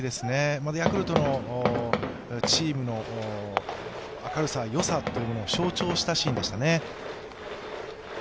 またヤクルトのチームの明るさ、よさというものを象徴したシーンでしたね。